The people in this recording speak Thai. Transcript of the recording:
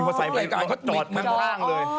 โดยรายการเขาจอดข้างเลย